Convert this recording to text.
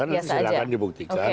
nanti silahkan dibuktikan